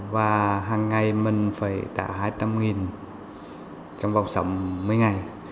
và hàng ngày mình phải trả hai trăm linh trong vòng sáu mươi ngày